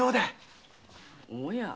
おや？